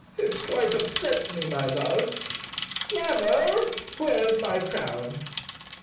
"It quite upset me, my love. Slammer, where's my crown